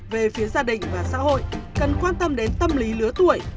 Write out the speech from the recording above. về phía gia đình và xã hội cần quan tâm đến tâm lý lứa tuổi